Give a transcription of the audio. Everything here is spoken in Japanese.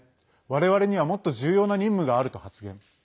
我々にはもっと重要な任務があると発言。